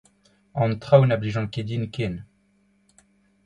An traoù na blijont ket din ken.